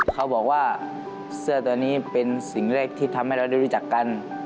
เขาบอกว่าเสื้อตัวนี้เป็นสิ่งแรกที่ทำให้เราได้รู้จักกัน